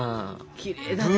きれいだね。